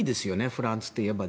フランスといえば。